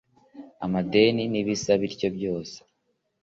amadini n’ibisa bityo byose